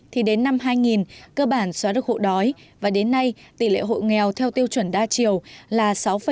thì đến năm hai nghìn cơ bản xóa được hộ đói và đến nay tỷ lệ hộ nghèo theo tiêu chuẩn đa chiều là sáu một mươi năm